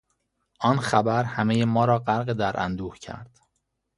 آن خبر همهی ما را غرق در اندوه کرد.